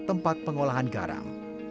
tempat pengolahan garam